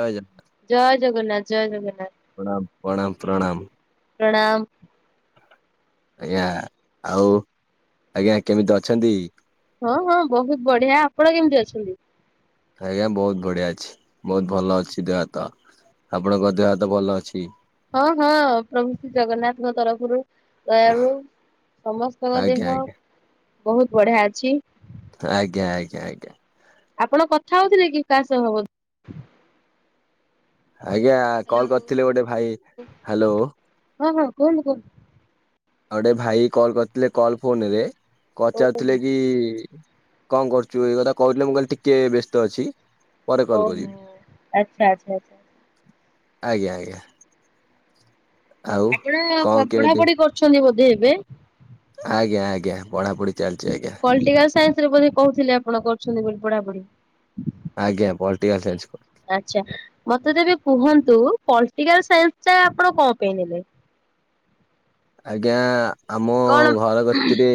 ଆଜ୍ଞା ଜୟ ଜଗନ୍ନାଥ ଜୟ ଜଗନ୍ନାଥ। ପ୍ରଣାମ ପଣାମ ପ୍ରଣାମ। ପ୍ରଣାମ୍। ଆଜ୍ଞା ଆଉ ଆଜ୍ଞା କେମିତି ଅଛନ୍ତି? ହଁ-ହଁ ବହୁତ୍ ବଢିଆ ଆପଣ କେମିତି ଅଛନ୍ତି? ଆଜ୍ଞା ବହୁତ୍ ବଢିଆ ଅଛି ବହୁତ ଭଲ ଅଛି ଦେହ ହାତ। ଆପଣଙ୍କ ଦେହ ହାତ ଭଲ ଅଛି? ହଁ-ହଁ ପ୍ରଭୁ ଶ୍ରୀ ଜଗନ୍ନାଥଙ୍କ ତରଫରୁ ଦୟାଳୁ ସମସ୍ତଙ୍କ ଆଜ୍ଞା ଦେହ ବହୁତ୍ ବଢିଆ ଅଛି। ଆଜ୍ଞା-ଆଜ୍ଞା-ଆଜ୍ଞା। ଆପଣ କଥା ହଉଥିଲେ କି କାହା ସହ ବୋ ଆଜ୍ଞା କଲ କରିଥିଲେ ଗୋଟେ ଭାଇ ହାଲୋ। ହଁ ହଁ କୁହନ୍ତୁ? ଗୋଟେ ଭାଇ କଲ୍ କରିଥିଲେ କଲ ଫୋନ ରେ ପଚାରଥିଲେ କି କଁ କରୁଚୁ ଏଇ କଥା କହୁଥିଲେ ମୁଁ କହିଲି ଟିକେ ବ୍ୟସ୍ତ ଅଛି। ପରେ ଓ କଲ୍ କରିବି। ହୋ ଆଚ୍ଛା-ଆଚ୍ଛା-ଆଚ୍ଛା। ଆଜ୍ଞା-ଆଜ୍ଞା। ଆପଣ ପଢାପଢି କରୁଛନ୍ତି ବୋଧେ ଏବେ? ଆଜ୍ଞା-ଆଜ୍ଞା ପଢା ପଢି ପଲ୍ଟିକାଲ୍ ସାଇନ୍ସରେ ବୋଧେ କହୁଥିଲେ ଆପଣ କରୁଛନ୍ତି ବୋଲି ପଢାପଢି। ଆଜ୍ଞା ପଲଟିକାଲ ସାଇନ୍ସ ଆଚ୍ଛା ମତେ ତେବେ କୁହନ୍ତୁ ପଲ୍ଟିକାଲ୍ ସାଇନ୍ସ ଟା ଆପଣ କଁ ପାଇଁ ନେଲେ? ଆଜ୍ଞା ଆମ କଣ ଘର କତିରେ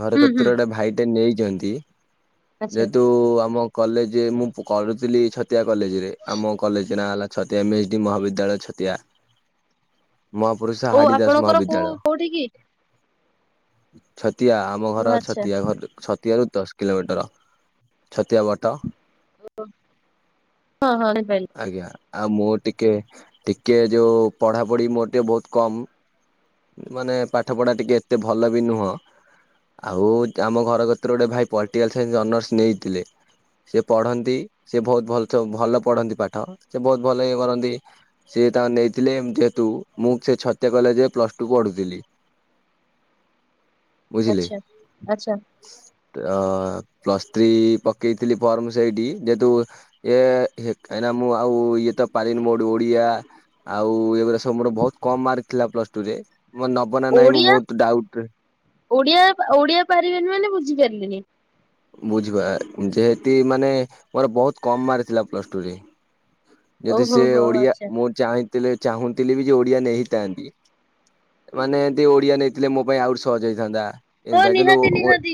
ଘରେ ହୁଁ ହୁଁ କତୁରେ ଗୋଟେ ଭାଇଟେ ନେଇଛନ୍ତି। ଆଚ୍ଛା। ଯେହେତୁ ଆମ କଲେଜେ ମୁଁ କରୁଥିଲି ଛତିଆ କଲେଜେ ରେ ଆମ କଲେଜ ନାଁ ହେଲା ଛତିଆ ଏମ୍ ଏଚ ଡି ମହାବିଦ୍ୟାଳୟ ଛତିଆ। ମହାପୁରୁଷା ଓ ହାଡିଦାସ ଆପଣଙ୍କର କୋଉ ମହାବିଦ୍ୟାଳୟ। କୋଉଠି କି ଛତିଆ ଆମ ଘର ଆଚ୍ଛା ଛତିଆ ଘଟ ଛତିଆ ରୁ ଦଶ କିଲୋମିଟର ଛତିଆ ବଟ। ଓ ହଣିପାରି ଆଜ୍ଞା ଆଉ ମୁଁ ଟିକେ-ଟିକେ ଯୋଉ ପଢାପଢି ମୋର ଟିକେ ବହୁତ କମ୍। ମାନେ ପାଠ ପଢା ଟିକେ ଏତେ ଭଲ ବି ନୁହଁ। ଆଉ ଆମ ଘର କତିରେ ଗୋଟେ ଭାଇ ପଲଟିକାଲ ସାଇନ୍ସ ଅନର୍ସ ନେଇଥିଲେ। ସେ ପଢନ୍ତି ସେ ଭଉତ ଭଲ ଯୋ ଭଲ ପଢନ୍ତି ପାଠ ସେ ବହୁତ୍ ଭଲ ଇଏ କରନ୍ତି ସେ ସେ ତାଙ୍କ ନେଇଥିଲେ ଯେହେତୁ ମୁଁ ସେ ଛତିଆ କଲେଜେ ପ୍ଲସ୍ ଟୁ ପଢୁଥିଲି। ବୁଝିଲି ଆଚ୍ଛା। ଆଚ୍ଛା ଅ ପ୍ଲସ୍ ତ୍ରି ପକେଇଥିଲି ଫର୍ମ ସେଇଠି ଯେହେତୁ ଏ କାହିଁନା ମୁଁ ଆଉ ଇଏ ତ ପାରନି ମୋ ଓଡିଆ ଆଉ ଏଗୁରା ସବୁ ମୋର ଭହୁତ କମ୍ ମାର୍କ ଥିଲା ପ୍ଲସ ଟୁ ରେ। ମୋର ନବ ନା ନାଇଁ ମୁଁ ବହୁତ ଡାଉଟ ଓଡିଆ-ଓଡିଆ-ଓଡିଆ ପାରିବେନି ମାନେ ବୁଝିପାରିଲିନି। ବୁଝିବା ଯେହେତି ମାନେ ମୋର ବହୁତ କମ୍ ମାର୍କ ଥିଲା ପ୍ଲସ୍ ଟୁରେ। ଯଦି ଓହୋ ସେ ହୋ ଓଡିଆ ଆଚ୍ଛା ମୁଁ ଚାହିଁଥିଲେ ଚାହୁଁଥିଲି ବି ଯେ ଓଡିଆ ନେଇଥାନ୍ତି। ମାନେ ଏନ୍ତି ଓଡିଆ ନେଇଥିଲେ ମୋ ପାଇଁ ଆହୁରି ସହଜ ହେଇଥାନ୍ତା। ହଁ ନିହାତି ନିହାତି।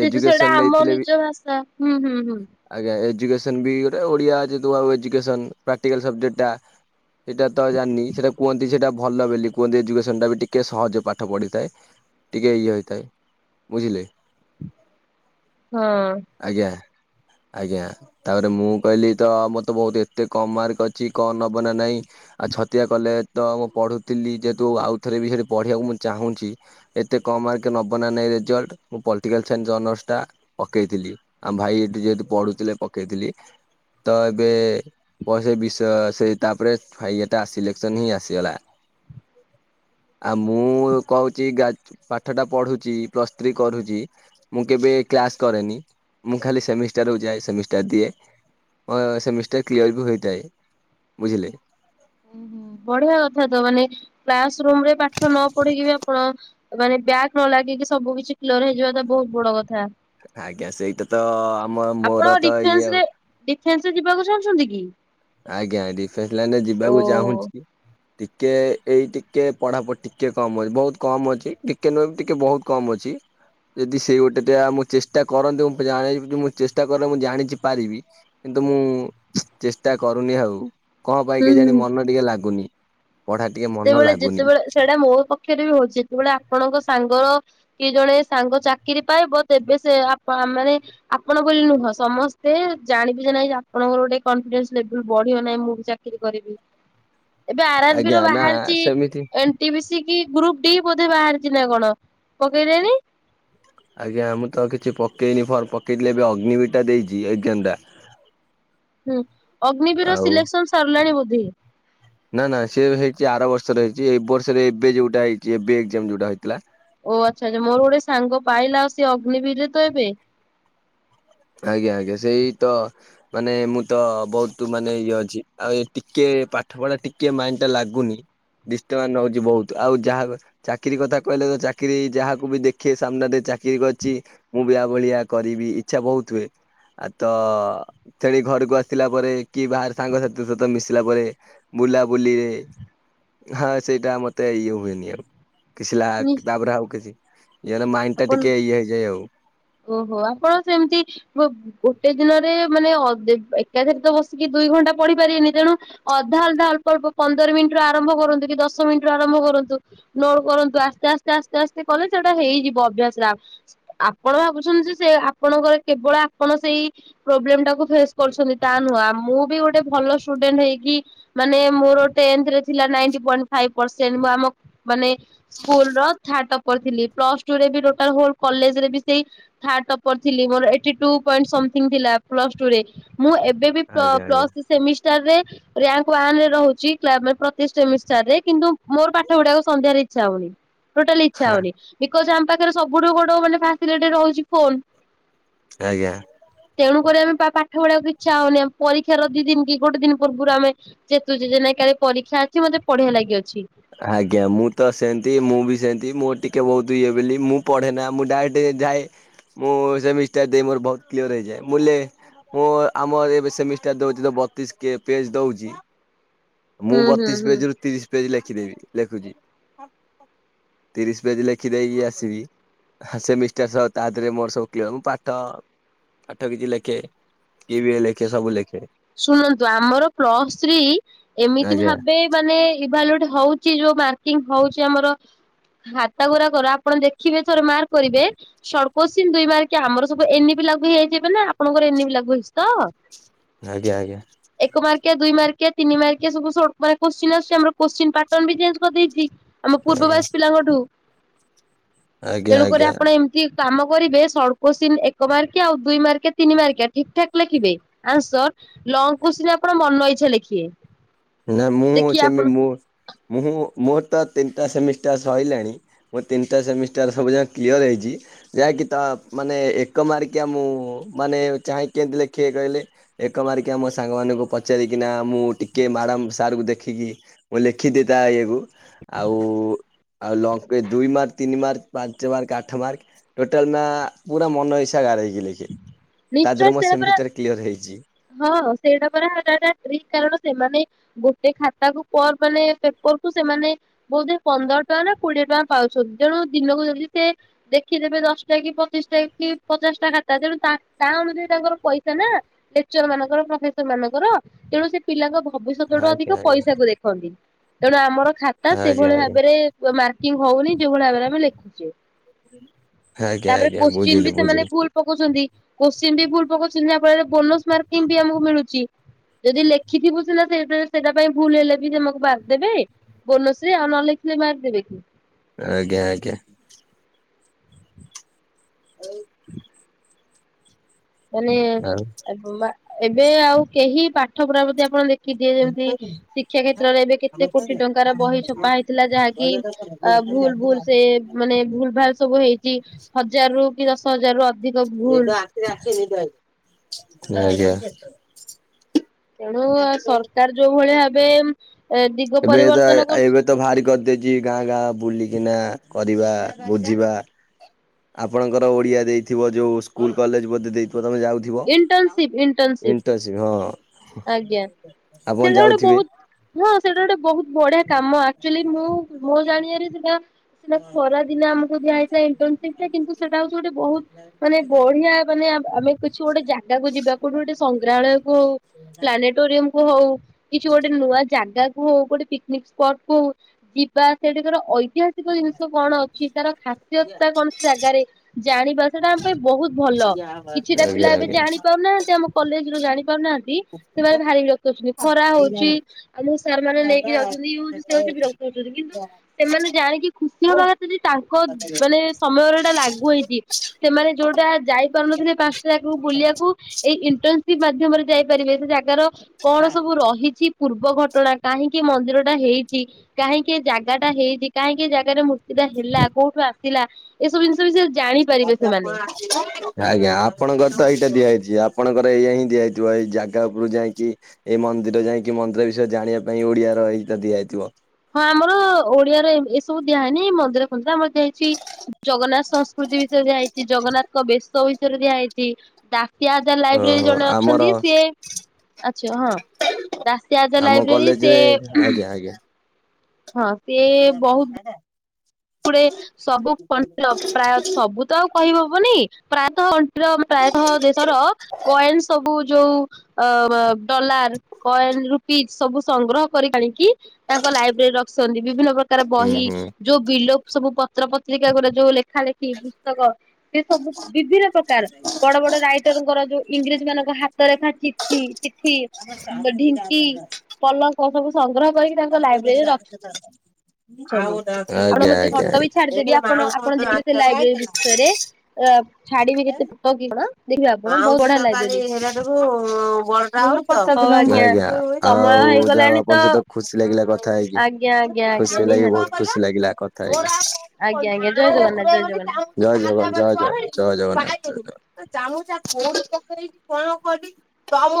ଯେହେତୁ ସେଇଟା ଆମ ନିଜ ଭାଷା ହୁଁ-ହୁଁ-ହୁଁ। ଏଜୁକେସନ୍ ବି ଗୋଟେ ଓଡିଆ ଯେଦୁ ଆଉ ଏଜୁକେସନ୍ ପ୍ରାକଟିକାଲ ସବଜେକ୍ଟ ଟା। ସେଇଟା ତ ଜାନି ସେଟା କୁହନ୍ତି ସେଟା ଭଲ ବୋଲି କୁହନ୍ତି ଏଜୁକେସନ ଟା ବି ଟିକେ ସହଜ ପାଠ ପଢ଼ିଥାଏ ଟିକେ ଇଏ ହୋଇଥାଏ। ବୁଝିଲେ? ହଁ। ଆଜ୍ଞା ଆଜ୍ଞା ତାପରେ ମୁଁ କହିଲି ତ ମୋ ତେ ବହୁତ ଏତେ କମ ମାର୍କ ଅଛି କଣ ହବ ନା ନାଇଁ? ଆଉ ଛତିଆ କଲେ ତ ମୁଁ ପଢୁଥିଲି ଯେହେତୁ ଆଉ ଥରେ ବି ସେଠି ପଢିବାକୁ ମୁଁ ଚାହୁଁଛି ଏତେ କମ୍ ମାର୍କେ ନବ ନାହିଁ ରେଜଲ୍ଟ ମୁଁ ପଲିଟିକାଲ ସାଇନ୍ସ ଅନର୍ସ ଟା ପକେଇଥିଲି ଆମ ଭାଇ ଏଠି ଯେହେତୁ ପଢୁଥିଲେ ପକେଇଥିଲି। ତ ଏବେ? ପ ସେ ବିଷୟ ସେଇ ତାପରେ ଭାଇ ଏଟା ସିଲେକ୍ସନ ହିଁ ଆସିଗଲା। ହ [unintelligible] ଆଉ ମୁଁ କହୁଛି ପାଠ ଟା ପଢୁଛି ପ୍ଲସ୍ ଥ୍ରୀ କରୁଛି ମୁଁ କେବେ କ୍ଲାସ କରେନି ମୁଁ ଖାଲି ସେମିଷ୍ଟାରକୁ ଯାଏ ସେମିଷ୍ଟାର ଦିଏ। ହଁ ସେମିଷ୍ଟାର କ୍ଲିୟର ବି ହୋଇଥାଏ ବୁଝିଲେ? ଉଁ ହୁଁ। ବଢିଆ କଥା ତ ମାନେ କ୍ଲାସ ରୁମ୍ ରେ ପାଠ ନ ପଢିକି ବି ଆପଣ ମାନେ ବ୍ୟାଗ ନ ଲାଗ ସବୁ କିଛି କ୍ଲିୟର ହେଇଯିବା ତା ବହୁତ ବଡ କଥା। ଆଜ୍ଞା ସେଇଟା ତ ଆମ ମୋର ତ ଇଏ ଆଉ ସାଙ୍ଗେ ସାଙ୍ଗେ ଯିବାକୁ ଚାହୁଁଛନ୍ତି କି? ଆଜ୍ଞା ଡିଫେନ୍ସ ଲାଇନ ରେ ଓ ଯିବାକୁ ଚାହୁଁଛି। ଟିକେ ଏଇ ଟିକେ ପଢାପଢି ଟିକେ କମ୍ ଅଛି ବହୁତ କମ୍ ଅଛି ଟିକେ ନ ଟିକେ ବହୁତ କମ୍ ଅଛି। ଯଦି ସେଇ ଗୋଟେ ଟିଆ ମୁଁ ଚେଷ୍ଟା କରନ୍ତୁ ମୁଁ ଜା ମୁଁ ଚେଷ୍ଟା କଲେ ମୁଁ ଜାଣିଛି ପାରିବି କି କିନ୍ତୁ ମୁଁ ଚେଷ୍ଟା କରୁନି ଆଉ କଣ ପାଇଁକ ହୁଁ ହୁଁ କେଜାଣି ମନ ଟିକେ ଲାଗୁନି। ପଢା ଟିକେ ମନ ଯେତେବେଳେ ଲାଗୁନି ଯେତେବେଳେ ସେଇଟା ମୋ ପକ୍ଷରେ ବି ହଉଚି ଯେତେବେଳେ ଆପଣଙ୍କ ସାଙ୍ଗର କି ଜଣେ ସାଙ୍ଗ ଚାକିରି ପାଇବ ତେବେ ସେ ମାନେ ଆପଣ ବୋଲି ନୁହଁ ସମସ୍ତେ ସେ ଜାଣିବି ଯେ ନାଇଁ ଆପଣଙ୍କର ଗୋଟେ କନଫିଡେନ୍ସ ଲେବୁଲ ବଢିବ ନାହିଁ ମୁଁ ବି ଚାକିରି କରିବି। ଏବେ ଆର ଆର୍ ବି ଆଜ୍ଞା ର ନା ବାହାରିଛି। ସେମିତି ଏଣ୍ଟି ପିସି କି ଗ୍ରୁପ ଡି ବୋଧ ବାହାରିଛି। ନା କଣ ପକେଇଲେନି? ଆଜ୍ଞା ମୁଁ ତ କିଛି ପକେଇନି ଫର୍ମ ପକେଇଥିଲେ ଏବେ ଅଗ୍ନି ବିିଟା ଦେଇଛି ଏଗଜାମ ଟା। ହୁଁ ଅଗ୍ନିବୀର ଆଉ ସିଲେକ୍ସନ ସରିଲାଣି ବୋଧେ? ନା ନା ସେ ହେଇଛି ଆର ବର୍ଷର ହେଇଚି ଏ ବର୍ଷରେ ଏବେ ଯୋଉଁଟା ହେଇଛି ଏବେ ଏଗଜାମ ଯୋଉଁଟା ହେଇଛି। ଓ ଆଛା ଆଛା ମୋର ଗୋଟେ ସାଙ୍ଗ ପାଇଲା ଆଉ ସେ ଅଗ୍ନିବୀରରେ ତ ଏବେ? ଆଜ୍ଞା ଆଜ୍ଞା ସେଇ ତ ମାନେ ମୁଁ ତ ବହୁତ ମାନେ ଇଏ ଅଛି ଆଉ ଟିକେ ପାଠ ପଢା ଟିକେ ମାଇଣ୍ଡ ଟା ଲାଗୁନି। ଡିଷ୍ଟବାନ୍ସ ହଉଚି ବହୁତ ଆଉ ଯାହା ଚାକିରୀ କଥା କହିଲେ ତ ଚାକିରୀ ଯାହାକୁ ବି ଦେଖେ ସାମ୍ନାରେ ଚା ଠିକ ଅଛି। ମୁଁ ବି ଆ ଭଳିଆ କରିବି ଇଚ୍ଛା ବହୁତ ହୁଏ। ଆଉ ତ ଖେଳିକି ଘରକୁ ଆସିଲା ପରେ କି ବାହାର ସାଙ୍ଗସାଥି ସହିତ ମିଶିଲା ପରେ ମୁଁ ବୁଲାବୁଲିରେ ହଁ ସେଇଟା ମତେ ଇଏ ହୁଏନି ଆଉ କିଛି ଲା କିତାବ ରେ ଆଉ କିଛି ଇଆଡେ ମାଇଣ୍ଡ ଟା ଆପଣ ଟିକେ ଇଏ ହେଇଯାଏ ଆଉ। ଓହୋ ଆପଣ ସେମିତି ଗୋଟେ ଦିନରେ ମାନେ ଏକାଥରେ ତ ବସିକି ଦୁଇ ଘଣ୍ଟା ପଢି ପାରିବେନି ତେଣୁ ଅ ଅଧା ଅଧା ଅଳ୍ପ ଅଳ୍ପ ପନ୍ଦର ମିନିଟରୁ ଆରମ୍ଭ କରନ୍ତୁ କି ଦଶ ମିନିଟରୁ ଆରମ୍ଭ କରନ୍ତୁ ନ କରନ୍ତୁ ଆସ୍ତେ ଆସ୍ତେ ଆସ୍ତେ ଆସ୍ତେ କଲେ ସେଟା ହେଇଯିବ। ଅଭ୍ୟାସ ଆପଣ ଭାବୁଛନ୍ତି ଯେ ସେ ଆପଣଙ୍କର କେବଳ ଆପଣ ସେଇ ପ୍ରୋବ୍ଲେମ ଟା ଫେସ କରୁଚନ୍ତିତା ନୁହଁ। ମୁଁ ବି ଗୋଟେ ଭଲ ସ୍ଟୁଡେଣ୍ଟ ହେଇକି ମାନେ ମୋର ଟେନ୍ଥ ରେ ନାଇଣ୍ଟି ପଏଣ୍ଟ ଫାଇଭ ପରସେଣ୍ଟ ମୁଁ ଆମ ମାନେ ସ୍କୁଲ ର ଥାର୍ଡ଼ ଟପର ଥିଲି ପ୍ଲସ [unintelligible] କଲେଜ ରେ ବି ସେଇ ଥାର୍ଡ଼ ଟପର ଥିଲି। ମୋର ଏଠି ଟୁ ପଏଣ୍ଟ ସମଥିଙ୍ଗ ଥିଲା ପ୍ଲ ପ୍ଲସ ଟୁ ରେ ମୁଁ ଏବେ ଆଜ୍ଞା ଆଜ୍ଞା। ପ୍ଲସ ଥ୍ରୀ ସେମିଷ୍ଟର ରେ [unintelligible] ରହୁଚି ପ୍ରତି ସେମିଷ୍ଟର ରେ କିନ୍ତୁ ମୋର ପାଠ ପଢ଼ିବାକୁ ସନ୍ଧ୍ୟାରେ ଇଚ୍ଛା ହଉନି। ଟୋଟାଲୀ ଇଛା ହଁ ହଉନି ବିକଜ ଆମ ପାଖରେ ସବୁଠୁ ବଡ଼ ଫାସିଲିଟି ରହୁଚି ଫୋନ୍। ଆଜ୍ଞା? ତେଣୁକରି ଆମେ ପାଠ ପଢିବାକୁ ଇଚ୍ଛା ହଉନି ପରୀକ୍ଷାର ଦି ଦିନ କି ଗୋଟେ ଦିନ ପୂର୍ବରୁ ଆମେ [unintelligible] ପରୀକ୍ଷା ଅଛି ମତେ ପଢ଼ିଆ ଲାଗେ। ଆଜ୍ଞା ମୁଁ ତ ସେମତି ମୁଁ ବି ସେମତି ମୋ ଟିକେ ଟିକେ ବହୁତ ଇଏ ବୋଲି ମୁଁ ପଢ଼େ ନା ମୁଁ ଡାଇରେକ୍ଟ ଯାଏ ମୁଁ ସେମିଷ୍ଟାର ଦେଇ ମୋର ବହୁତ କ୍ଲିଓର ହେଇଯାଏ। ବୋଲେ ମୁଁ ଆମର ଏବେ ସେମିଷ୍ଟର ଦଉଛି ବତିଶ ପେ ପେଜ ଦଉଚି। ମୁଁ ହୁଁ ହୁଁ ବତିଶ ହୁଁ। ପେଜ ରୁ ତିରିଶ ପେଜ ଲେଖିଦେବି ଲେଖୁଛି। ତିରିଶ ପେଜ ଲେଖି ଦେଇକି ଆସିବି। ସେମିଷ୍ଟର ସହ ତା ଦେହରେ ମୋର ସବୁ କ୍ଲିୟର ମୁଁ ପାଠ ପାଠ କିଛି ଲେଖେ କିଏ ବି ଲେଖେ ସବୁ ଲେଖେ। ଶୁଣନ୍ତୁ ଆମର ପ୍ଲସ୍ ଥ୍ରୀ ଏମିତି ଆଜ୍ଞା ଭାବେ ମାନେ ଇଭାଲ୍ୟୁଟ ହଉଛି। ଯୋଉଁ ମାର୍କିଂ ହଉଚି ଆମର ଖାତା ଗୋରା କର ଆପଣ ଦେଖିବେ ଥରେ ମାର୍କ କରିବେ ସର୍ଟକୋଚିନି ଦୁଇ ମାର୍କିଆ ଆମର ସବୁ ଏ ଲାଗୁ ହେଇ ଯାଇଛି ଏବେ ନା ଆପଣଙ୍କର ଏନି ବି ଲାଗୁ ହେଇଛି ତ ଆଜ୍ଞା ଆଜ୍ଞା। ଏକ ମାର୍କିଆ ଦୁଇ ମାର୍କିଆ ତିନି ମାର୍କିଆ ସବୁ ସର୍ଟ ମାର୍କ କୋରଚୀନ ଆସୁଛି ଆମର କୋରଚୀନ ପାର୍ଟନ ବି ଚେଞ୍ଜ କରିଦେଇଚି। ଆମ ପୂର୍ବ ଆଜ୍ଞା। ବ୍ୟାଚ ପିଲାଙ୍କ ଠୁ ଆଜ୍ଞା ତେଣୁକରି ଆଜ୍ଞା ଆପଣ ଏମିତି କାମ କରିବେ ସର୍ଟ କୋସଚୀନ ଏକ ମାର୍କିଆ ଆଉ ଦୁଇ ମାର୍କିଆ ତିନି ମାର୍କିଆ ଠିକ୍ ଠାକ ଲେଖିବେ ଆଉ ସର୍ଟ ଲଙ୍ଗ କୁସିନି ଆପଣ ମନ ଇଚ୍ଛା ଲେଖିବେ। ନା ମୁଁ ଦେଖିବେ ସେମି ଆପଣ ମୁଁ ମୁଁ ମୋର ତ ତିନିଟା ସେମିଷ୍ଟାର୍ ସରିଲାଣି ମୁଁ ତିନିଟା ସେମିଷ୍ଟାର ସବୁ ଯାକ କ୍ଲିୟର ହେଇଚି। ଯାହାକି ତ ମାନେ ଏକ ମାର୍କିଆ ମୁଁ ମାନେ ଚାହେଁ କେମିତି ଲେଖିବେ କହିଲେ ଏକ ମାର୍କିଆ ମୋ ସାଙ୍ଗମାନଙ୍କୁ ପଚାରିକିନା ମୁଁ ଟିକ କିଏ ମ୍ୟାଡ଼ାମ ସାରଙ୍କୁ ଦେଖିକି, ମୁଁ ଲେଖିଦିଏ ତା ଇଏକୁ ଆଉ ଆଉ ଲଙ୍ଗ ରେ ଦୁଇମାର୍କ ତିନିମାର୍କ ପାଞ୍ଚମାର୍କ ଆଠମାର୍କ ଟୋଟାଲ ନା ପୁରା ମନ ଇଛା ଗାରେଇ ଲି ତା ନିଶ୍ଚୟ ଦେହରେ ମୋ ସେରା ପରା ସେମିଷ୍ଟାର କ୍ଲିୟର ହେଇଛି। ହଁ ସେଇଟା ପରା ହେଟା ଟ୍ରିକ, କାରଣ ସେମାନେ ଗୋଟେ ଖାତାକୁ ପର ମାନେ ପେପ ଠୁ ସେମାନେ ବୋଧେ ପନ୍ଦର ଟଙ୍କା ନା କୋଡିଏ ଟଙ୍କା ପାଉଛନ୍ତି, ତେଣୁ ଦିନକୁ ଯଦି ସେ ଦେଖି ଏବେ ଦଶଟାକି ପଚିଶଟାକି ପଚାଶଟା ଖାତା, ତେଣୁ ତା ତା ଅନୁଯାୟୀ ତାଙ୍କର ପଇସା ନା ଲେ ଚର ମାନଙ୍କର ପ୍ରଫେସର ମାନଙ୍କର, ତେଣୁ ସେ ପିଲାଙ୍କ ଭବିଷ୍ୟତଠୁ ଆଜ୍ଞା ଅଧିକ ଆଜ୍ଞା ପଇସାକୁ ଦେଖନ୍ତି। ତେଣୁ ଆମର ଖାତା ଆଜ୍ଞା ସେଭଳି ଆଜ୍ଞା। ଭାବରେ ମାର୍କିଂ ହଉନି, ଯୋଉ ଭଳିଆ ଭାବରେ ଆମେ ଲେଖୁଛେ। ଆଜ୍ଞା ତାପରେ ଆଜ୍ଞା କୋଶ୍ଚିିନ ବୁଝିଲି ବି ସେମାନେ ବୁଝିଲି ଭୁଲ ପକଉଛନ୍ତି। କୋଶ୍ଚିନ୍ ବି ଭୁଲ ପକଉଛନ୍ତି, ଯାହା ଫଳରେ ବୋନସ ମାର୍କିଂ ବି ଆମକୁ ମିଳୁଛି। ଯଦି ଲେଖିଥିବୁ ସିନା, ସେ ସେଇଟା ପାଇଁ ଭୁଲ ହେଲେ ବି ତମକୁ ମାର୍କ ଦେବେ ବୋନସରେ। ଆଉ ନହେଲେ ସିଏ ମାର୍କ ଦେବେକି? ଆଜ୍ଞା ଆଜ୍ଞା। [inaudible] ମାନେ ଆଉ ଏବ ଏବେ ଆଉ କେହି ପାଠ ପଢା ପ୍ରତି ଆପଣ ଦେଖି ଦିଆଯାଉଛି ଶିକ୍ଷା କ୍ଷେତ୍ରରେ ଏବେ କେତେ କୋଟି ଟଙ୍କାର ବହି ଛପା ହେଇଥିଲା, ଯାହାକି ଅ ଭୁଲ ଭୁଲ ସେ ମାନେ ଭୁଲ ଭାଲ ସବୁ ହେଇଛି ହଜାର ରୁ ଦଶ ହଜାର ରୁ ଅଧିକ ଭୁଲ ଆଞା। ତେଣୁ ସରକାର ଯୋଉ ଭଳିଆ ଭାବେ ଦିଗ ଏବେ ତ ପରିବର୍ତ୍ତନ କରୁଛି ଏବେ ତ ଭାରି କରିଦେଇଛି ଗାଁ ଗାଁ ବୁଲିକିନା। କରିବା ବୁଝିବା ଆପଣଙ୍କର ଓଡିଆ ଦେଇଥିବ, ଯୋଉ ସ୍କୁଲ କଲେଜ ବୋଧେ ଦେଇ ତ ତମେ ଯାଉଥିବ, ଇଣ୍ଟର୍ନସିପ ଇଣ୍ଟର୍ନସିପ ଇଣ୍ଟେନସିପ ହଁ। ଆଜ୍ଞା ଆପଣ ସେଟା ଗୋଟେ ଯାଉଥିବେ ବହୁତ ହଁ ସେଟା ଗୋଟେ ବହୁତ ବଢିଆ କାମ ଅକ୍ଚୂଆଲି ମୁଁ ମୋ ଜାଣିଆରେ ସେଟା ସିନା ଖରା ଦିନ ଆମକୁ ଦିଆ ହେଇଥାଏ ଇଣ୍ଟନସିପ ଟା, କିନ୍ତୁ ସେଟା ହଉଛି ଗୋଟେ ବହୁତ ମାନେ ବଢିଆ ମାନେ ଆମେ କିଛି ଗୋଟେ ଜାଗାକୁ ଯିବା, କୋଉଠି ଗୋଟେ ସଂଗ୍ରହାଳୟକୁ ପ୍ଲାନେଟୋରିୟମକୁ ହଉ, କିଛି ଗୋଟେ ନୂଆ ଜାଗାକୁ ହଉ, ଗୋଟେ ପିକନିକ ପଟକୁ ଯିବା ସେଠିକାର ଐ ଐତିହାସିକ ଜିନିଷ କଣ ଅଛି ତାର ଖାସ୍ୟତଟା କଣ ସେ ଜାଗାରେ, ଜାଣିବା ସେଇଟା ଆମ ପାଇଁ ବହୁତ ଭଲ କିଛିଟା [unintelligible] ପିଲା ଏବେ ଜାଣି ପାରୁନାହାନ୍ତି, ଆମ କଲେଜରୁ ଜାଣିପାରୁନାହାନ୍ତି [unintelligible] ସେମାନେ ଭାରି ବିରକ୍ତ ହଉଛନ୍ତି ।ଖରା ହଉଛି ଆମକୁ ସାର୍ ମାନେ ନେଇକି ଯାଉଛନ୍ତି [unintelligible] ସେ ହଉଛି ବିରକ୍ତ କହୁଚନ୍ତି କିନ୍ତୁ ସେମାନେ ଜାଣିକି ଖୁସି ହବା କଥା ଯେ, ତାଙ୍କ ମାନେ ସମୟରେ ଏଇଟା ଲାଗୁ ହେଇଛି । ସେମାନେ ଯୋଉଟା ଯାଇପାରୁନଥିଲେ, ପା ର୍କ କୁ ବୁଲିବାକୁ ଏଇ ଇଣ୍ଟର୍ନସିପ ମାଧ୍ୟମରେ ଯାଇପାରିବେ ।ସେ ଜାଗାର କଣ ସବୁ ରହିଛି ପୂର୍ବ ଘଟଣା, କାହିଁକି ମ ମନ୍ଦିର ଟା ହେଇଛି, କାହିଁକି ଜାଗା ଟା ହେଇଛି, କାହିଁକି ଏ ଜାଗାରେ ମୂର୍ତ୍ତି ଟା ହେଲା, କୋଉଠୁ ଆସ ଥିଲା ଏସବୁ ଜିନିଷ ବିଷୟ ଆଜ୍ଞା ଆପ ଆପଣଙ୍କର ତ ଏଇଟା ଦିଆଯାଇଛି ଆପଣଙ୍କର ଏଇଆ ହିଁ ଦିଆ ହେଇଥିବ, ଏଇ ଜାଗା ଉପରୁ ଯାଇକି ଏଇ ମନ୍ଦିର ଯାଇକି ମନ୍ଦିର ବିଷୟରେ ଜାଣିବା ପାଇଁ ଓଡିଆର ଏଇଟା ଦିଆଯାଇଥିବ । ହଁ ଆମର ଓଡିଆରେ ଏସବୁ ଦିଆ ହଏନି, ମନ୍ଦିର ଫନ୍ଦିର ଆମ ଦିଆଯଇଛି, ଜଗନ୍ନାଥ ସଂସ୍କୃତି ବିଷୟରେ ଦିଆଯାଇଛି, ଜଗନ୍ନାଥଙ୍କ ବେଶ ବିଷୟରେ ଦିଆଯାଇଛି, ଡା ପିଆ [unintelligible] ଲାଇବ୍ରେରୀ ଓହୋ ଜଣେ ଆମର ଅଛନ୍ତି ସିଏ ଆଛା ହଁ । ଦାସିଆ ଆଜା ଆମ ଲାଇବ୍ରେରୀ ସେ କଲେଜରେ ଆଜ୍ଞା ଆଜ୍ଞା ହଁ। [unintelligible] ସବୁଗୁଡେ ସବୁ [unintelligible] ପ୍ରାୟ ସବୁ ତ ଆଉ କହି ହବନି, ପ୍ରାୟତଃ ର ପ୍ରାୟତଃ ଦେଶର କଏନ୍ ସବୁ ଯୋଉ ଅ ଅ ଡଲାର, କଏନ, ରୁପିଜ ସବୁ ସଂଗ୍ରହ କରି ଆଣିକି, ତାଙ୍କ ଲାଇବ୍ରେରୀ ରଖିସନ୍ତି। ବିଭିନ୍ନ ପ୍ରକାର ହୁଁ ବହି, ହୁଁ ଯୋଉ ବିଲୋପ୍ ସବୁ ପତ୍ର ପତ୍ରିକା ଗୁରା, ଯୋଉ ଲେ ଲେଖା ଲେଖି ପୁସ୍ତକ, ସେ ସବୁ ବିଭିନ୍ନ ପ୍ରକାର ବଡ ବଡ ରାଇଟରଙ୍କର ଯୋଉଁ, ଇଂରେଜ ମାନଙ୍କ ହାତ ତରେଖା ଚଠି, ଚିଠି, ଢିଙ୍କି, ପଲଙ୍କ, ସବୁ ସଂଗ୍ରହ କରିକି ତାଙ୍କ ଲାଇବ୍ରେରୀରେ ରଖ୍ ଛନ୍ତି। ଆଜ୍ଞା ଆପଣ ଆଜ୍ଞା ମତେ ଆଜ୍ଞା ଫଟୋ ବି ଛାଡିଦେବି। ଆପଣ ଆପଣ ଦେଖିବେ, ସେ ଲାଇବ୍ରେରୀ ବିଷୟରେ ଏ ଛାଡିବି ଯେତେ ଫଟ କି କଣ! ଦେଖିବେ ଆପଣ ଆଜ୍ଞା, ଆଉ ବହୁତ ବଢିଆ ଲାଇବ୍ରେରୀ ହଉ, ଯାହା ହଉ ହଉ ଆଜ୍ଞା। ସମୟ ହେଇଗଲାଣି ତ ଆପଣଙ୍କ ସହିତ ଖୁସି ଲାଗିଲା କଥା ହେଇକି। ଆଜ୍ଞା ଆଜ୍ଞା ଆଜ୍ଞା ଖୁସି ଲାଗି ନିହାତି ବହୁତ ଖୁସି ଲାଗିଲା କଥ୍ ଥା ହେଇକି। ହଉ ଜୟ ଆଜ୍ଞା ଆଜ୍ଞା ଜୟ ଜଗନ୍ନାଥ ଜୟ ଜଗନ୍ନାଥ। ଜଗ ଜୟ ଜଗ ଜୟ ଜଗ। [inaudible]